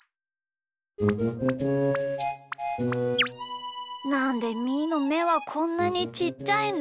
なんでみーのめはこんなにちっちゃいんだ？